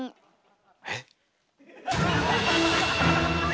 えっ⁉